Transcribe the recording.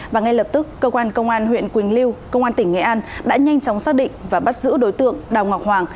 và ngay lập tức cơ quan công an huyện quỳnh lưu công an tỉnh nghệ an đã nhanh chóng xác định và bắt giữ đối tượng đào ngọc hoàng